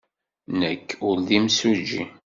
Nekk ur d imsujji.